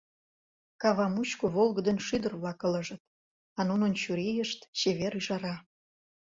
Кава мучко волгыдын шӱдыр-влак ылыжыт, А нунын чурийышт — чевер ӱжара.